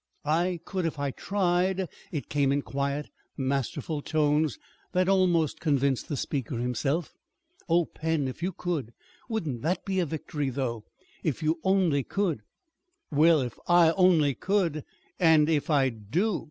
"I could, if I tried." It came in quiet, masterful tones that almost convinced the speaker himself. "Oh, Pen, if you could! Wouldn't that be a victory, though? If you only could " "Well, if I only could and if I do?"